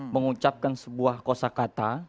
mengucapkan sebuah kosa kata